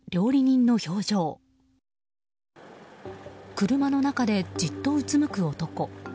車の中でじっと、うつむく男。